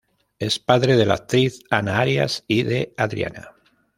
Es padre de la actriz Ana Arias y de Adriana.